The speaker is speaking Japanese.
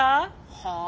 はあ？